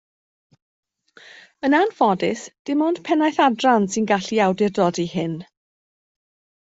Yn anffodus dim ond pennaeth adran sy'n gallu awdurdodi hyn